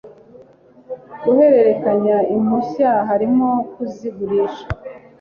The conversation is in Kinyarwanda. guherekanya impushya harimo kuzigurisha